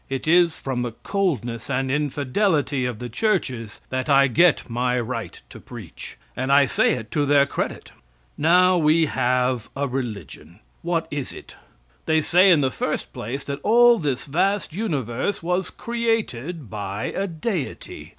It is from the coldness and infidelity of the churches that I get my right to preach; and I say it to their credit. Now we have a religion. What is it? They say in the first place that all this vast universe was created by a deity.